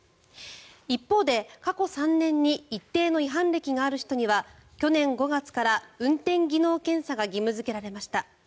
一方で過去３年に一定の違反歴がある人には去年５月から運転技能検査が義務付けられました。